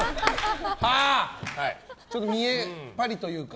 ちょっと見えっ張りというか？